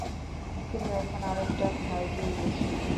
কিন্তু এখন আরেকটা ভাই পেয়ে গেছি।